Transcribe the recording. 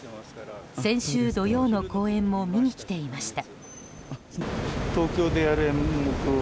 先週土曜の公演も見に来ていました。